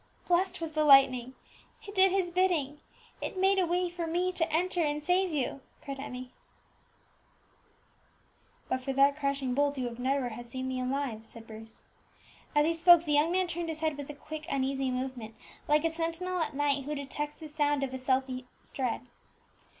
"Blessed was the lightning! it did His bidding; it made a way for me to enter and save you," cried Emmie. "But for that crashing bolt you would never have seen me alive," said Bruce. As he spoke, the young man turned his head with a quick, uneasy movement, like a sentinel at night who detects the sound of a stealthy tread.